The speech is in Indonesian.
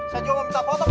ya baik pak